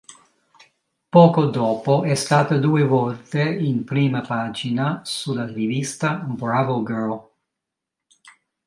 Poco dopo è stata due volte in prima pagina sulla rivista "Bravo Girl".